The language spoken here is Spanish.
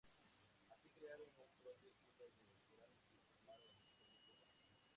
Así, crearon un propio estilo de cerámica y formaron algunos pueblos urbanos.